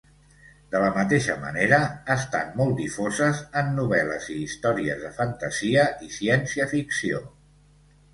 De la mateixa manera, estan molt difoses en novel·les i històries de fantasia i ciència ficció.